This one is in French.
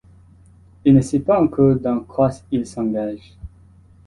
Il ne sait pas encore dans quoi il s'engage.